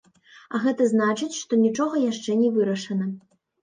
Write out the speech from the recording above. А гэта значыць, што нічога яшчэ не вырашана.